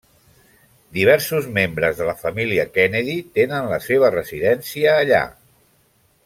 Diversos membres de la família Kennedy tenen la seva residència allà.